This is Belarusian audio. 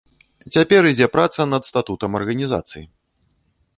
Цяпер ідзе праца над статутам арганізацыі.